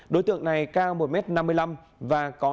đối tượng này cao một m năm mươi năm và có